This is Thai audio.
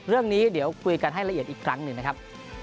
เรื่องนี้เดี๋ยวคุยกันให้ละเอียดอีกครั้งหนึ่งนะครับ